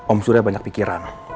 om surya banyak pikiran